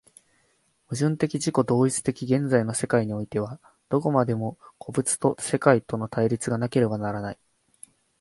矛盾的自己同一的現在の世界においては、どこまでも個物と世界との対立がなければならない。